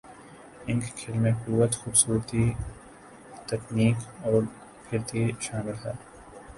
ان کے کھیل میں قوت، خوبصورتی ، تکنیک اور پھرتی شامل ہے